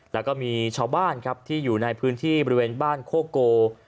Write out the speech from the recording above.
แล้วก็มีชาวบ้านครับที่อยู่ในพื้นที่บริเวณบ้านโคโก